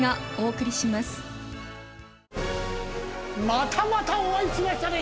またまたお会いしましたね。